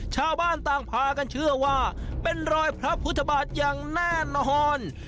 ชาวบ้านต่างพากันเชื่อว่าเป็นรอยพระพุทธบาทอย่างแน่นอน